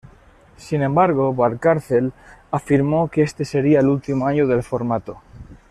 Sin embargo, Valcárcel afirmó que este seria el último año del formato.